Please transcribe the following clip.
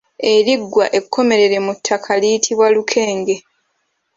Eriggwa ekkomerere mu ttaka liyitibwa Lukenge.